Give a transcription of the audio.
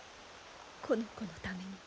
この子のためにも。